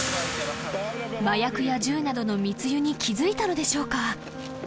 ［麻薬や銃などの密輸に気付いたのでしょうか？］